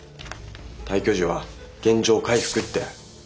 退去時は原状回復って。